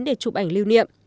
để chụp ảnh lưu niệm